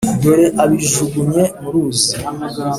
dore abijugunye mu ruzi,